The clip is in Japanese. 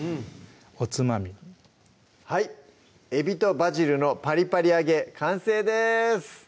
おつまみにもはい「海老とバジルのパリパリ揚げ」完成です